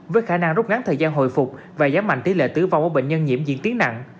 với khả năng rút ngắn thời gian hồi phục và giảm mạnh tỷ lệ tử vong ở bệnh nhân nhiễm diễn tiến nặng